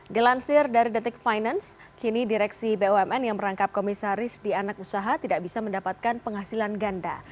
dilansir dari detik finance kini direksi bumn yang merangkap komisaris di anak usaha tidak bisa mendapatkan penghasilan ganda